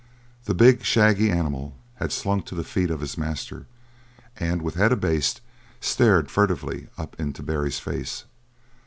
The big, shaggy animal had slunk to the feet of his master and with head abased stared furtively up into Barry's face.